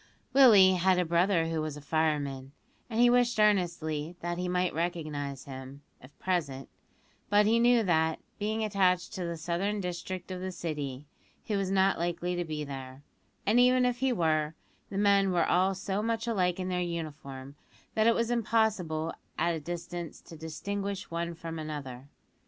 Willie had a brother who was a fireman, and he wished earnestly that he might recognise him, if present; but he knew that, being attached to the southern district of the City, he was not likely to be there, and even if he were, the men were all so much alike in their uniform, that it was impossible at a distance to distinguish one from another.